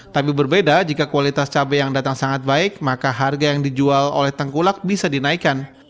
tapi berbeda jika kualitas cabai yang datang sangat baik maka harga yang dijual oleh tengkulak bisa dinaikkan